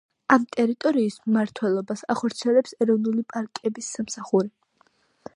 ამ ტერიტორიის მმართველობას ახორციელებს ეროვნული პარკების სამსახური.